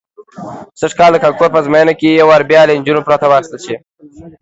سږ کال به د کانکور ازموینه یو وار بیا له نجونو پرته واخیستل شي.